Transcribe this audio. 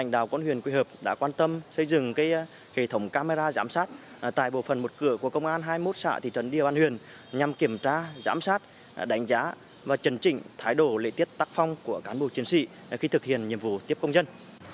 đánh giá giám sát đánh giá và trần trịnh thái độ lệ tiết tắc phong của cán bộ chiến sĩ khi thực hiện nhiệm vụ tiếp công dân